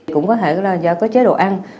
cũng có thể là do có chế độ ăn